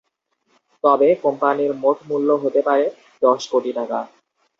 তবে কোম্পানির মোট মূল্য হতে পারে দশ কোটি টাকা।